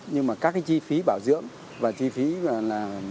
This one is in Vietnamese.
nhưng mà các cái chi phí bảo dưỡng và chi phí là